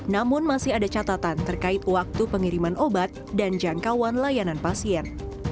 namun masih ada catatan terkait waktu pengiriman obat dan jangkauan layanan pasien